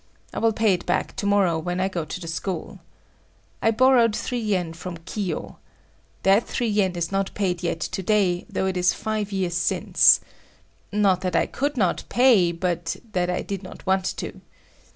I will pay it back tomorrow when I go to the school. I borrowed three yen from Kiyo. That three yen is not paid yet to day, though it is five years since. Not that I could not pay, but that I did not want to.